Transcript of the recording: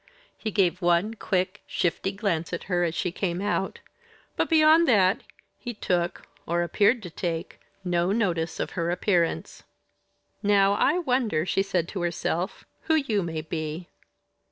He gave one quick, shifty glance at her as she came out, but beyond that he took or appeared to take no notice of her appearance. "Now, I wonder," she said to herself, "who you may be.